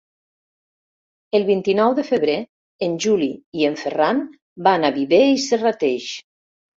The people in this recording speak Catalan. El vint-i-nou de febrer en Juli i en Ferran van a Viver i Serrateix.